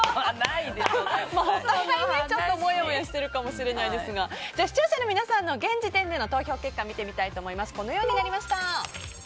ちょっともやもやしてるかもしれないですが視聴者の皆さんの現時点での投票結果を見てみたいと思います。